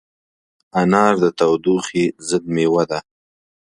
انار د تودوخې ضد مېوه ده.